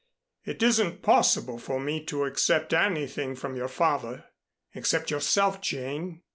It isn't possible for me to accept anything from your father, except yourself, Jane.